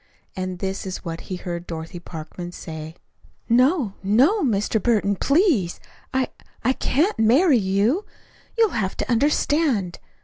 And this is what he heard Dorothy Parkman say: "No, no, Mr. Burton, please I I can't marry you. You'll have to understand.